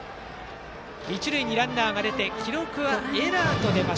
一塁にランナーが出て記録はエラー。